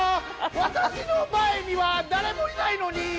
私の前には誰もいないのに！